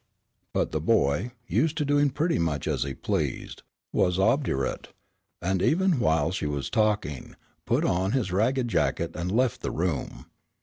But the boy, used to doing pretty much as he pleased, was obdurate, and even while she was talking, put on his ragged jacket and left the room.